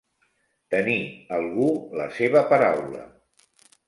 Tenir, algú, la seva paraula.